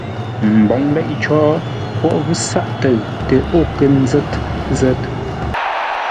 Mboŋ leʼé cǒ, poghʼ ghʉ̌ sáʼ təʉ tə o kə́ zə̂t zə̂t.